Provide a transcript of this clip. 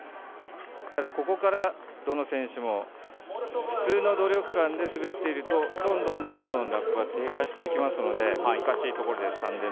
ただ、ここからどの選手も普通の努力感で滑っているとどんどんラップは低下していくので難しいところです。